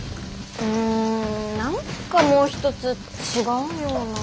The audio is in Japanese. うん何かもう一つ違うような。